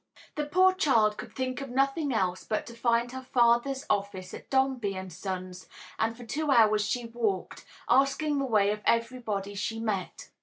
The poor child could think of nothing else but to find her father's office at Dombey and Son's, and for two hours she walked, asking the way of everybody she met.